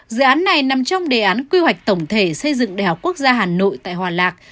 dự án này nằm trong đề án quy hoạch tổng thể xây dựng đại học quốc gia hà nội tại hòa lạc